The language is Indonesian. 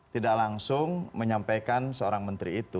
tidak langsung menyampaikan seorang menteri itu